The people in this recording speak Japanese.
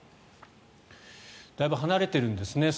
だいぶ離れてるんですね。